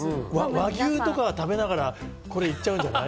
和牛食べながら、これ行っちゃうんじゃない？